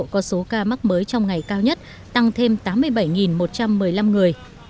có số ca mắc mới trong ngày cao nhất tăng thêm tám mươi bảy một trăm một mươi năm người